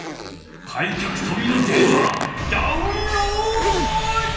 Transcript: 開脚とびのデータダウンロード！